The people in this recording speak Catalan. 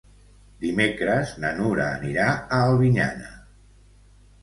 Dimecres na Nura anirà a Albinyana.